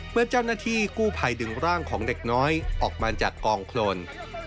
เมื่อเจ้าหน้าที่กู้ภัยดึงร่างของเด็กน้อยออกมาจากกองโครน